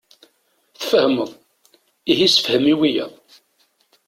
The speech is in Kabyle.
Tfehmeḍ! Ihi ssefhem wiyaḍ.